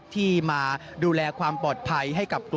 ที่มาดูแลความปลอดภัย